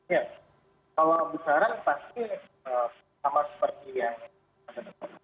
ya kalau bicara pasti sama seperti yang anda katakan